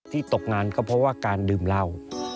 ตกงานก็เพราะว่าการดื่มเหล้า